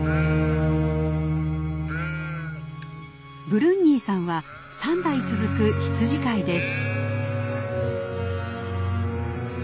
ブルンニーさんは３代続く羊飼いです。